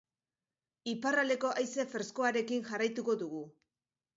Iparraldeko haize freskoarekin jarraituko dugu.